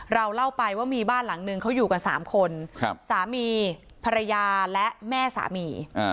เราเล่าไปว่ามีบ้านหลังนึงเขาอยู่กัน๓คนสามีภรรยาและแม่สามี